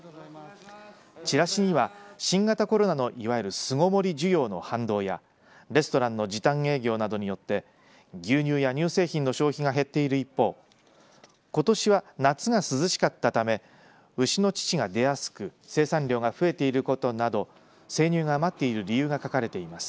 チラシには新型コロナのいわゆる巣ごもり需要の反動やレストランの時短営業などによって牛乳や乳製品の消費が減っている一方ことしは夏が涼しかったため牛の乳が出やすく生産量が増えていることなど生乳が余っている理由が書かれています。